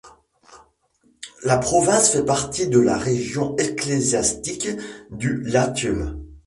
La province fait partie de la région ecclésiastique du Latium.